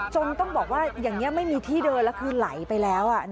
ต้องบอกว่าอย่างนี้ไม่มีที่เดินแล้วคือไหลไปแล้ว